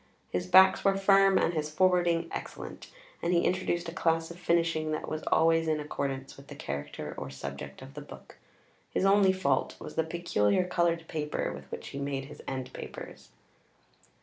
His backs were firm, and his forwarding excellent; and he introduced a class of finishing that was always in accordance with the character or subject of the book. His only fault was the peculiar coloured paper with which he made his end papers.